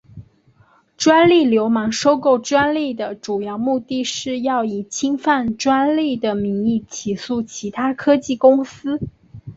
专利流氓收购专利的主要目的是要以侵犯专利的名义起诉其他科技公司。